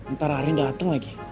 ntar arin dateng lagi